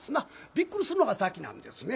びっくりするのが先なんですね。